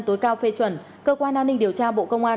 tối cao phê chuẩn cơ quan an ninh điều tra bộ công an